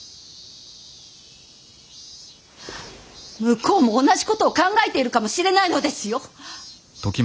向こうも同じことを考えているかもしれないのですよ。